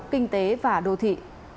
kinh tế và đô thị